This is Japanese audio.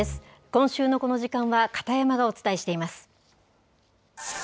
今週のこの時間は、片山がお伝えしています。